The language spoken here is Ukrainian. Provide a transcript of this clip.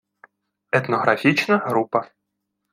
етнографічна група